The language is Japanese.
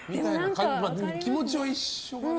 気持ちは一緒かな？